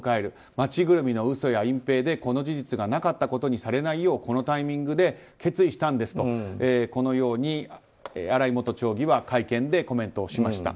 町ぐるみの嘘や隠ぺいでこの事実がなかったことにされないようこのタイミングで決意したんですとこのように新井元町議は会見でコメントしました。